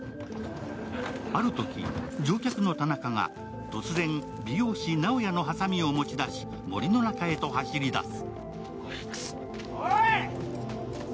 あるとき、乗客の田中が突然美容師・直哉のハサミを持ち出し森の中へと走り出す。